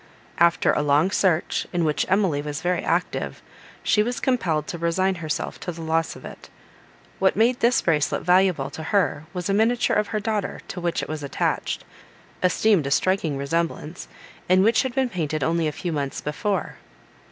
After a long search, in which Emily was very active, she was compelled to resign herself to the loss of it. What made this bracelet valuable to her was a miniature of her daughter to which it was attached, esteemed a striking resemblance, and which had been painted only a few months before.